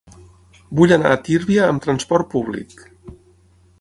Vull anar a Tírvia amb trasport públic.